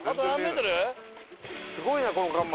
すごいなこの看板。